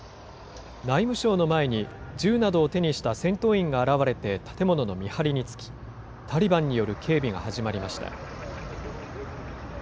内務省の前に、銃などを手にした戦闘員が現れて、建物の見張りにつき、タリバンによる警備が始まりました。